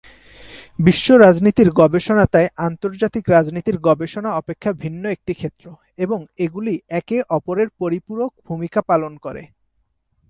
বিশ্ব রাজনীতির গবেষণা তাই আন্তর্জাতিক রাজনীতির গবেষণা অপেক্ষা ভিন্ন একটি ক্ষেত্র, এবং এগুলি একে অপরের পরিপূরক ভূমিকা পালন করে।